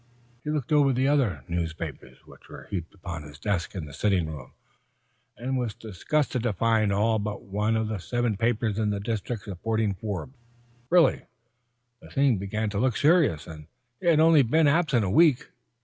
He looked over the other newspapers which were heaped upon his desk in the sitting room, and was disgusted to find all but one of the seven papers in the district supporting Forbes. Really, the thing began to look serious. And he had only been absent a week!